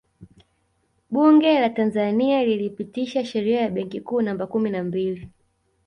Bunge la Tanzania lilipitisha Sheria ya Benki Kuu Namba kumi na mbili